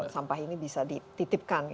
sampah ini bisa dititipkan